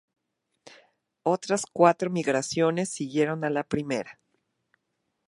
Otras cuatro migraciones siguieron a la primera.